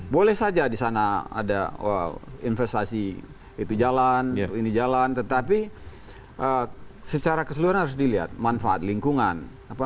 boleh saja di sana ada investasi itu jalan ini jalan tetapi secara keseluruhan harus dilihat manfaat lingkungan